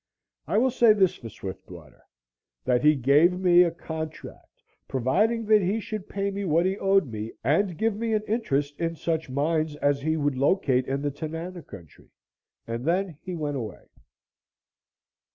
I will say this for Swiftwater: that he gave me a contract providing that he should pay what he owed me and give me an interest in such mines as he would locate in the Tanana country. And then he went away.